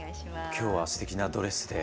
今日はすてきなドレスで。